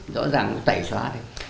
rõ ràng tẩy xóa đây